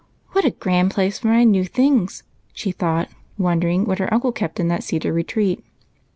"What a grand place for my new things," she thought, wondering what her uncle kept in that cedar retreat.